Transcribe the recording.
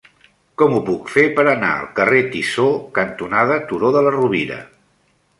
Com ho puc fer per anar al carrer Tissó cantonada Turó de la Rovira?